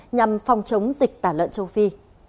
nhằm phòng chống dịch tả lợn châu phi